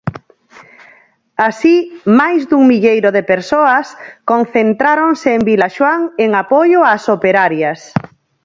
Así, máis dun milleiro de persoas concentráronse en Vilaxoán en apoio ás operarias.